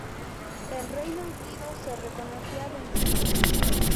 El Reino Unido se reconocía vencido.